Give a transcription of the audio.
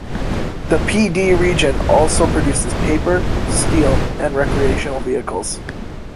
The Pee Dee Region also produces paper, steel, and recreational vehicles.